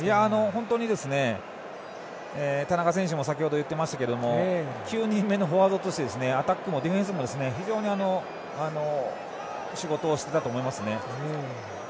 本当に、田中選手も先程言ってましたけれども９人目のフォワードとしてアタックもディフェンスも非常に仕事をしていたと思います。